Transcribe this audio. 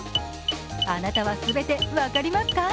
あなたは全て分かりますか？